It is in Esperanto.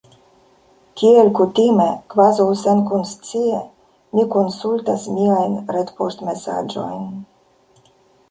Kiel kutime, kvazaŭ senkonscie, mi konsultas miajn retpoŝtmesaĝojn.